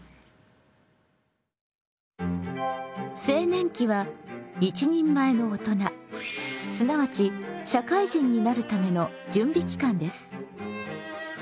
青年期は一人前の大人すなわち社会人になるための準備期間です。